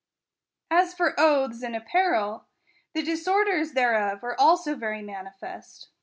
— As for oaths, and apparel, the disorders thereof are also very manifest.